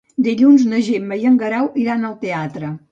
Dilluns na Gemma i en Guerau iran al teatre.